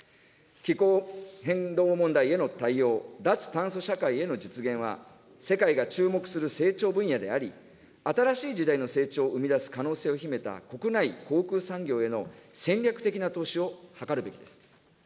気候変動問題への対応、脱炭素社会の実現は、世界が注目する成長分野であり、新しい時代の成長を生み出す可能性を秘めた国内航空産業への戦略的な投資を図るべきです。